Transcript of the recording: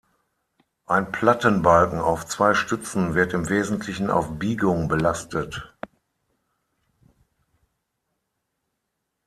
Ein Plattenbalken auf zwei Stützen wird im Wesentlichen auf Biegung belastet.